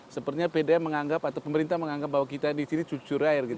sepertinya pdam menganggap atau pemerintah menganggap bahwa kita di sini cucura air gitu